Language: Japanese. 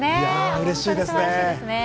うれしいですね。